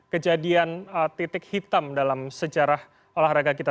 kejadian titik hitam dalam sejarah olahraga kita